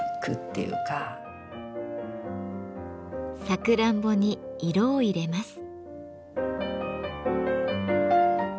サクランボに色を入れます。